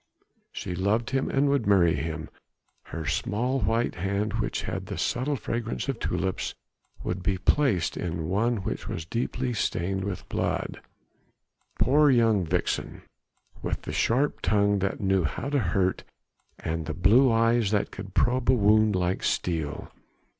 She loved him and would marry him, her small white hand, which had the subtle fragrance of tulips, would be placed in one which was deeply stained with blood. Poor young vixen, with the sharp tongue that knew how to hurt and the blue eyes that could probe a wound like steel!